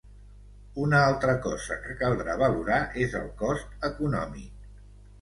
Una altra cosa que caldrà valorar és el cost econòmic.